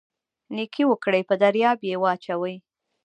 نیکي وکړئ په دریاب یې واچوئ